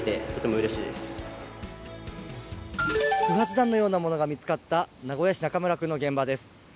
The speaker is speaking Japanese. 不発弾のようなものが見つかった名古屋市中村区の現場です。